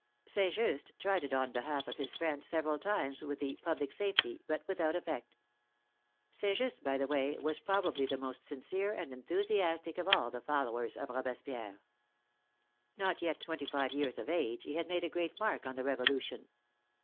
St. Just tried it on behalf of his friend several times with the " Public Safe ty," but without effect. St. Just, by the way, was prob ably the most sincere and enthusiastic of all the followers of Robespierre. Not yet twenty five years of age, he had made a great mark on the Revolution.